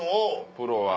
プロは。